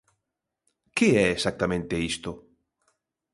¿Que é exactamente isto?